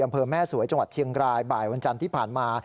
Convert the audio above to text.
อำเภอแม่สวยจังหวัดเชียงรายบ่ายวันจันทร์ที่ผ่านมา